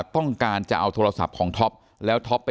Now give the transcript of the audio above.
ต้องการจะเอาโทรศัพท์ของท็อป